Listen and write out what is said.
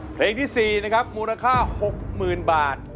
เพลงที่๔นะครับมูลค่า๖๐๐๐บาท